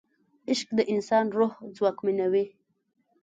عشق د انسان روح ځواکمنوي.